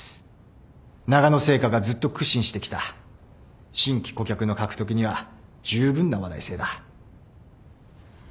ながの製菓がずっと苦心してきた新規顧客の獲得にはじゅうぶんな話題性だ。